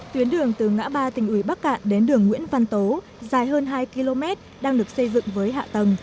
tuyến đường từ ngã ba tỉnh ủy bắc cạn đến đường nguyễn văn tố dài hơn hai km đang được xây dựng với hạ tầng